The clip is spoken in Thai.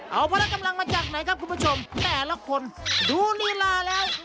เอาพละกำลังมาจากไหนครับคุณผู้ชมแต่ละคนดูลีลาแล้ว